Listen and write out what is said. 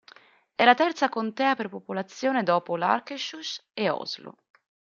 È la terza contea per popolazione dopo l'Akershus e Oslo.